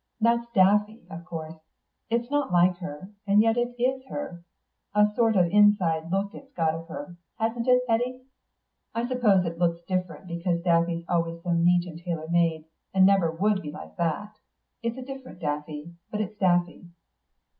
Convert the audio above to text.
"That's Daffy, of course. It's not like her and yet it is her. A sort of inside look it's got of her; hasn't it, Eddy? I suppose it looks different because Daffy's always so neat and tailor made, and never would be like that. It's a different Daffy, but it is Daffy."